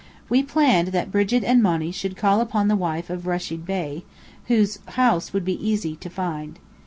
We planned that Brigit and Monny should call upon the wife of Rechid Bey, whose house would be easy to find.